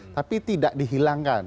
tapi tidak dihilangkan